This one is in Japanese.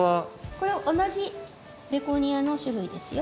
これ同じベゴニアの種類ですよ。